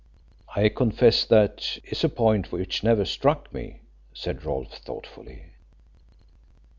"I confess that is a point which never struck me," said Rolfe thoughtfully.